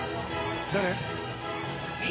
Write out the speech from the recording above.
誰？